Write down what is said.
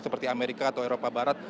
seperti amerika atau eropa barat